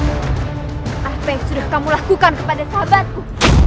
apa yang sudah kamu lakukan kepada sahabatku